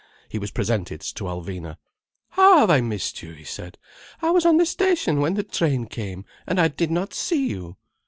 He was presented to Alvina. "How have I missed you?" he said. "I was on the station when the train came, and I did not see you."